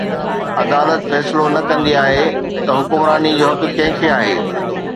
عدالت فيصلو نه ڪندي آهي ته حڪمراني جو حق ڪنهن کي آهي.